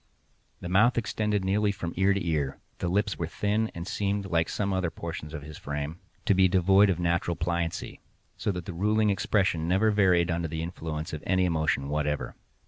The mouth extended nearly from ear to ear, the lips were thin, and seemed, like some other portions of his frame, to be devoid of natural pliancy, so that the ruling expression never varied under the influence of any emotion whatever.